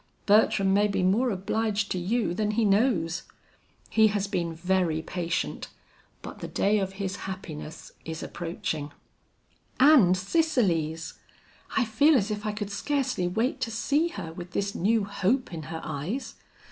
Bertram may be more obliged to you than he knows. He has been very patient, but the day of his happiness is approaching." "And Cicely's! I feel as if I could scarcely wait to see her with this new hope in her eyes.